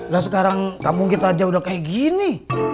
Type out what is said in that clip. nah sekarang kampung kita aja udah kayak gini